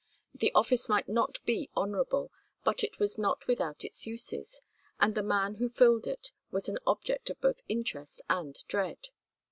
The office might not be honourable, but it was not without its uses, and the man who filled it was an object of both interest and dread.